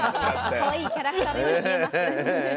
かわいいキャラクターのように見えます。